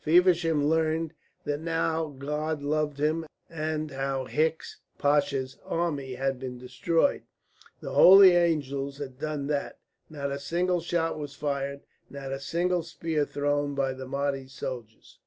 Feversham learned that now God loved him; and how Hicks Pasha's army had been destroyed. The holy angels had done that, not a single shot was fired, not a single spear thrown by the Mahdi's soldiers.